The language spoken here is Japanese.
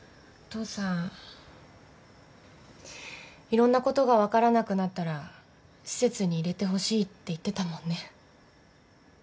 いろんなことが分からなくなったら施設に入れてほしいって言ってたもんね。